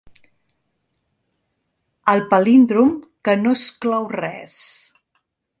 El palíndrom que no exclou res.